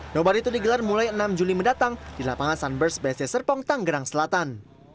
nomor itu digelar mulai enam juli mendatang di lapangan sunburst bsd serpong tangerang selatan